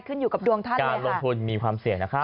ขึ้นอยู่กับดวงท่านเลยค่ะ